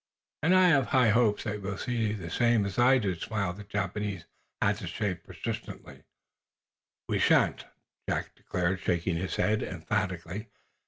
"And I have high hope that you will see matter same as I do," smiled the Japanese attache persistently. "We shan't," Jack declared, shaking his head, emphatically.